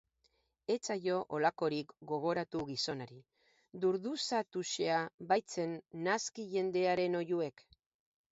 Etzaio holakorik gogoratu gizonari, durduzatuxea baitzen naski jendearen oihuek.